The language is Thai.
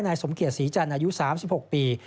สมเกียจศรีจันทร์อายุ๓๖ปี